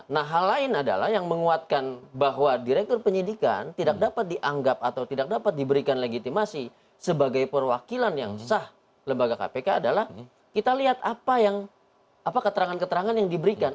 nah hal lain adalah yang menguatkan bahwa direktur penyidikan tidak dapat dianggap atau tidak dapat diberikan legitimasi sebagai perwakilan yang sah lembaga kpk adalah kita lihat apa yang keterangan keterangan yang diberikan